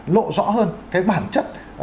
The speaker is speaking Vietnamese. lộ rõ hơn cái bản chất